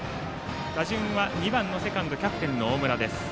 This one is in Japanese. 打順は２番セカンドキャプテンの大村。